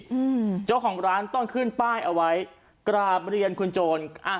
อืมเจ้าของร้านต้องขึ้นป้ายเอาไว้กราบเรียนคุณโจรอะ